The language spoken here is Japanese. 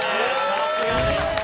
さすがです。